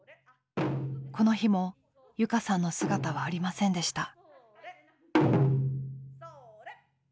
この日も祐加さんの姿はありませんでした。